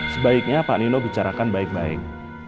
sebaiknya pak nino bicarakan baik baik